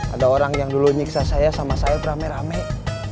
ada orang yang dulu nyiksa saya sama saya rame rame